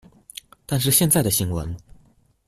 但是現在的新聞